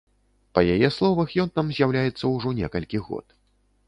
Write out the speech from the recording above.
Па яе словах, ён там з'яўляецца ўжо некалькі год.